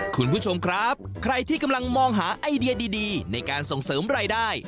คุณผู้ชมครับใครที่กำลังมองหาไอเดียดีในการส่งเสริมรายได้